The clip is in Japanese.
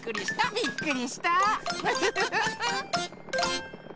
びっくりした。